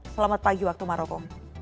selamat pagi waktu maroko